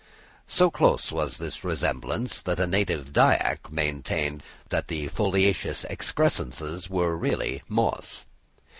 So close was this resemblance, that a native Dyak maintained that the foliaceous excrescences were really moss.